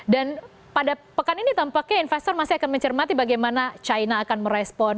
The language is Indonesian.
dan pada pekan ini tampaknya investor masih akan mencermati bagaimana china akan merespon